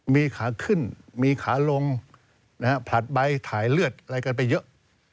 มีขาขึ้นมีขาลงผลัดใบถ่ายเลือดอะไรกันไปเยอะ